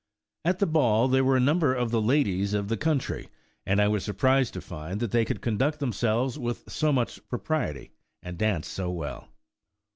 At the ball, there were a number of the ladies of the country, and I was surprised to find that they could conduct themselves with so much propriety, and dance so well.